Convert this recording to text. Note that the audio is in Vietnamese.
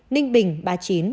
ninh bình ba mươi chín